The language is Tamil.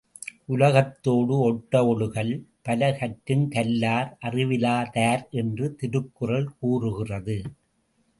உலகத்தோடு ஒட்ட ஒழுகல் பலகற்றும் கல்லார் அறிவிலா தார் என்று திருக்குறள் கூறுகிறது.